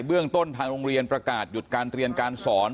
เรื่องต้นทางโรงเรียนประกาศหยุดการเรียนการสอน